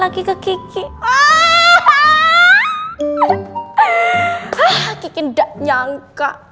kiki gak nyangka